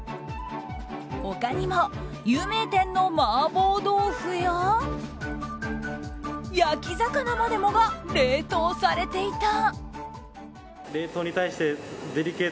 他にも有名店の麻婆豆腐や焼き魚までもが冷凍されていた。